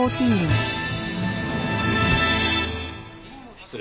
失礼。